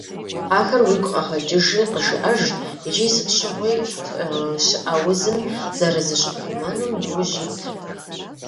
Ахэр уигу къэгъэкӀыжи къыжыӀэж икӀи сыт щыгъуи щӀыӀэ узым зэрызыщыпхъумэнум иужь ит.